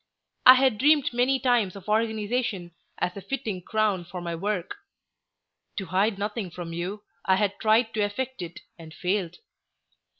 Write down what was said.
I had dreamed many times of organization as a fitting crown for my work. To hide nothing from you, I had tried to effect it, and failed.